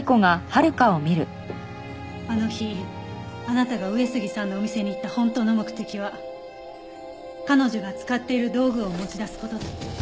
あの日あなたが上杉さんのお店に行った本当の目的は彼女が使っている道具を持ち出す事だった。